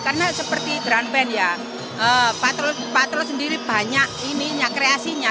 karena seperti drum band patro sendiri banyak kreasinya